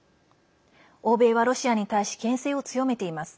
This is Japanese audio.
欧米はロシアに対しけん制を強めています。